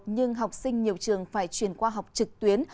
nhưng học sinh nhiều trường phải chuyển qua học trực tuyến